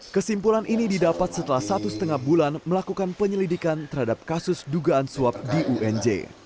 kesimpulan ini didapat setelah satu setengah bulan melakukan penyelidikan terhadap kasus dugaan suap di unj